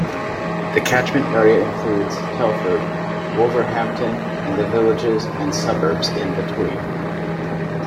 The catchment area includes Telford, Wolverhampton and the villages and suburbs in between.